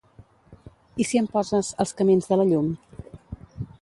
I si em poses "Els camins de la llum"?